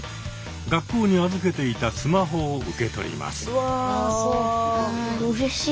学校に預けていたスマホを受け取ります。